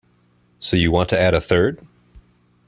So you want to add a third?